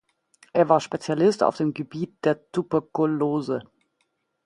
Er war Spezialist auf dem Gebiet der Tuberkulose.